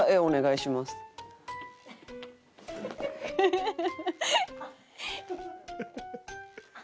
フフフフ！